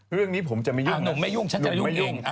เรื่องนี้ผมจะไม่ยุ่งหนุ่มไม่ยุ่งฉันจะไม่ยุ่ง